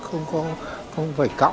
không phải cõng một vị